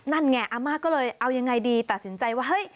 นั่นไงอาม่าก็เลยเอายังไงดีตัดสินใจว่าเฮ้ย